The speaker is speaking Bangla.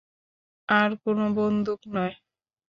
আর কোন বন্দুক নয়।